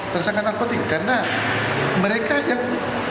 tersangka narkotik karena mereka yang